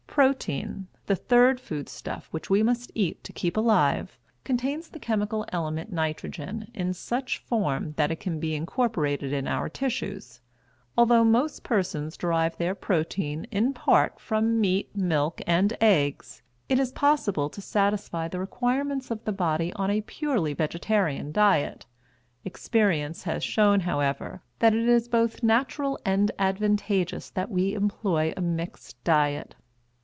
Protein, the third food stuff which we must eat to keep alive, contains the chemical element nitrogen in such form that it can be incorporated in our tissues. Although most persons derive their protein in part from meat, milk, and eggs, it is possible to satisfy the requirements of the body on a purely vegetarian diet. Experience has shown, however, that it is both natural and advantageous that we employ a mixed diet.